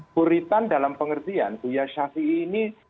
buritan dalam pengertian buya syafi ini